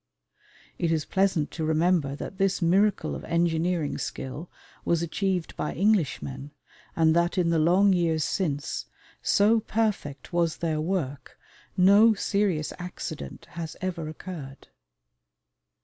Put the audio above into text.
It is pleasant to remember that this miracle of engineering skill was achieved by Englishmen, and that in the long years since, so perfect was their work, no serious accident has ever occurred.